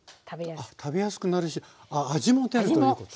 食べやすくなるしああ味も出るという。